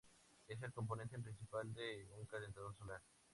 Es el componente principal de un calentador solar.